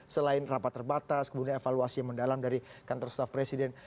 selain rapat terbatas kemudian evaluasi yang mendalam dari kantor staff presiden